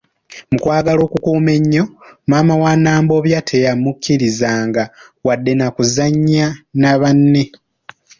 Mu kwagala okumukuuma ennyo, maama wa Nambobya teyamukkiriza nga wadde na kuzannya na banne.